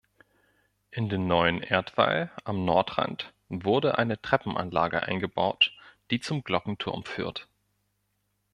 In den neuen Erdwall am Nordrand wurde eine Treppenanlage eingebaut, die zum Glockenturm führt.